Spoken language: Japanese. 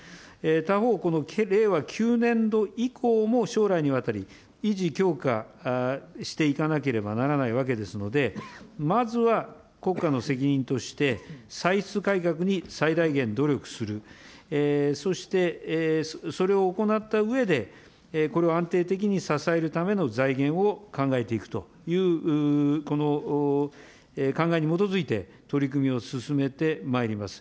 他方、この令和９年度以降も将来にわたり、維持強化していかなければならないわけですので、まずは国家の責任として、歳出改革に最大限努力する、そしてそれを行ったうえで、これを安定的に支えるための財源を考えていくという考えに基づいて取り組みを進めてまいります。